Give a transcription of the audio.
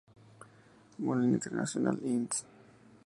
Sypher:Mueller International Inc.